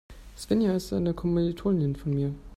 Svenja ist eine Kommilitonin von mir.